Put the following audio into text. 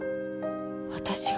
私が？